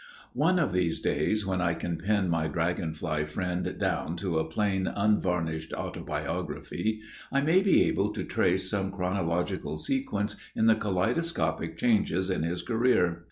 One of these days, when I can pin my dragon fly friend down to a plain, unvarnished autobiography, I may be able to trace some chronological sequence in the kaleidoscopic changes in his career.